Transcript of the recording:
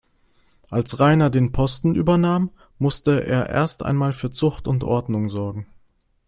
Als Rainer den Posten übernahm, musste er erst einmal für Zucht und Ordnung sorgen.